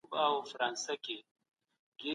که پوهه نه وي سیاست په جګړه بدلیږي.